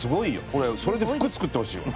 俺それで服作ってほしいわ。